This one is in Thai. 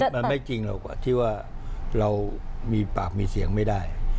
มันไม่จริงหรอกที่ว่าเรามีปากมีเสียงไม่ได้